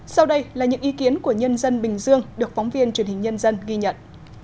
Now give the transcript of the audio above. sau đây là những ý kiến của nhân dân bình dương được phóng viên truyền hình nhân dân ghi nhận